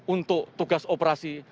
untuk tugas operasi